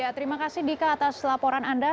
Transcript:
ya terima kasih dika atas laporan anda